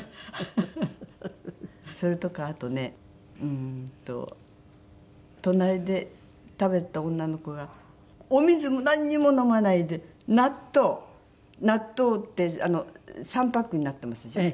それとかあとねうーんと隣で食べてた女の子がお水もなんにも飲まないで納豆納豆って３パックになってますでしょ。